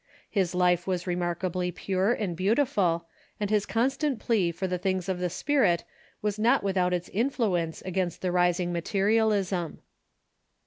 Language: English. His life was remarkably pure and beautiful, and his constant plea for the things of the spirit was not without its influence against the rising materialism.